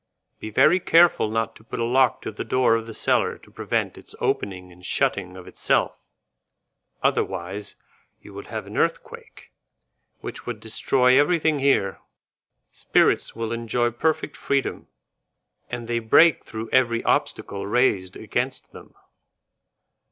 Be very careful not to put a lock to the door of the cellar to prevent its opening and shutting of itself; otherwise you would have an earthquake, which would destroy everything here. Spirits will enjoy perfect freedom, and they break through every obstacle raised against them."